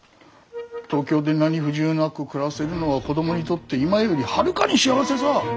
東京で何不自由なく暮らせるのは子供にとって今よりはるかに幸せさぁ。